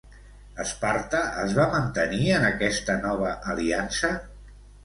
Esparta es va mantenir en aquesta nova aliança?